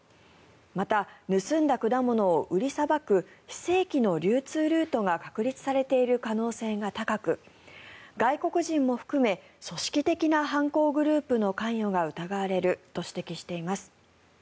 また、盗んだ果物を売りさばく非正規の流通ルートが確立されている可能性が高く外国人も含め組織的な犯行グループの関与が疑われると指摘しています。